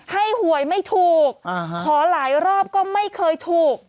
หวยไม่ถูกขอหลายรอบก็ไม่เคยถูก